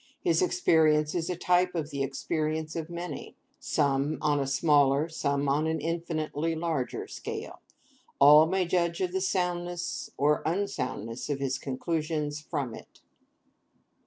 His experience is a type of the experience of many; some on a smaller, some on an infinitely larger scale. All may judge of the soundness or unsoundness of his conclusions from it.